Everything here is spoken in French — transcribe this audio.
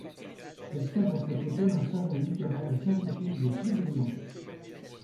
Elle tient dans cet hôtel un salon littéraire et scientifique des plus brillants.